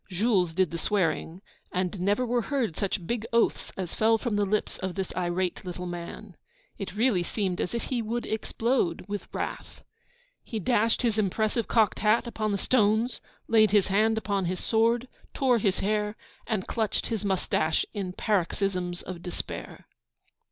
Jules did the swearing; and never were heard such big oaths as fell from the lips of this irate little man. It really seemed as if he would explode with wrath. He dashed the impressive cocked hat upon the stones, laid his hand upon his sword, tore his hair, and clutched his moustache in paroxysms of despair.